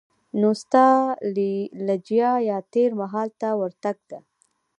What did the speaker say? نو ستالجیا یا تېر مهال ته ورتګ ده.